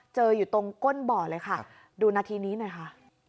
อยู่ตรงก้นบ่อเลยค่ะดูนาทีนี้หน่อยค่ะ